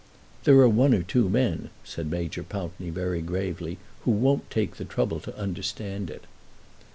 "There are one or two men," said Major Pountney very gravely, "who won't take the trouble to understand it."